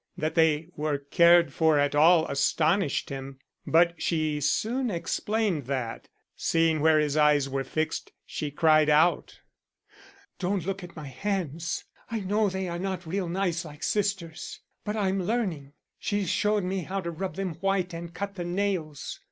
That they were cared for at all astonished him. But she soon explained that. Seeing where his eyes were fixed, she cried out: "Don't look at my hands. I know they are not real nice like sister's. But I'm learning. She showed me how to rub them white and cut the nails.